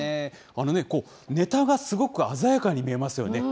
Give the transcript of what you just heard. あのね、ねたがすごく鮮やかに見えますよね。